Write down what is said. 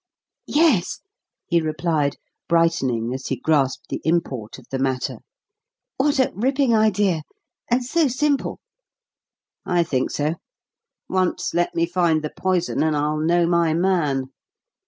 "Yes," he replied, brightening as he grasped the import of the matter. "What a ripping idea! And so simple." "I think so. Once let me find the poison, and I'll know my man.